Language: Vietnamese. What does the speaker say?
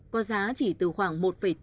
có giá chỉ từ khoảng một bốn